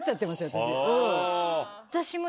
私。